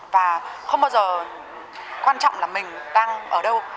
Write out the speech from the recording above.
và không bao giờ quan trọng là mình đang ở đâu